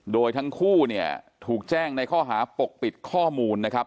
โดยทั้งคู่เนี่ยถูกแจ้งในข้อหาปกปิดข้อมูลนะครับ